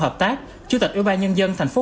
hợp tác chủ tịch ủy ban nhân dân thành phố